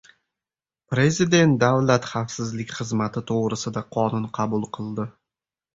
Prezident davlat xavfsizlik xizmati to‘g‘risida qonun qabul qilindi